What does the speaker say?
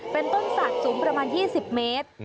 เป็นต้นศักดิ์สูงประมาณ๒๐เมตร